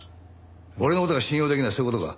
俺の事が信用できないそういう事か？